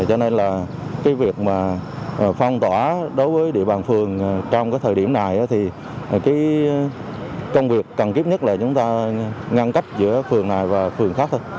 cho nên là cái việc mà phong tỏa đối với địa bàn phường trong cái thời điểm này thì cái công việc cần tiếp nhất là chúng ta ngăn cách giữa phường này và phường khác thôi